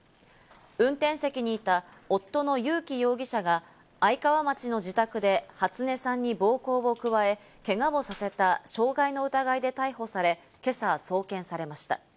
運転席にいた夫の裕樹容疑者が愛川町の自宅で初音さんに暴行を加え、けがをさせた傷害の疑いで逮捕され今朝送検されました。